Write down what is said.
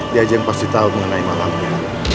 di ajak pasti tahu mengenai malamnya